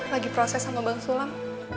lagi proses sama bang sulam